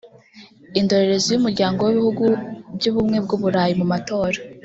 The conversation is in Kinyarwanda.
Indorerezi y’Umuryango w’Ibihugu by’Ubumwe bw’u Burayi mu matora